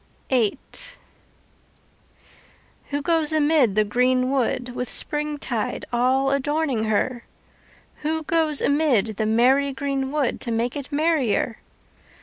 VIII Who goes amid the green wood With springtide all adorning her? Who goes amid the merry green wood To make it merrier?